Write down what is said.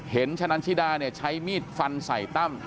เห็นชะนันชิดาเนี่ยใช้มิดฟั่นใส่ตั้ม